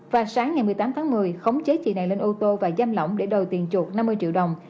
và sáng ngày một mươi tám tháng một mươi khống chế chị này lên ô tô và giam lỏng để đòi tiền chuột năm mươi triệu đồng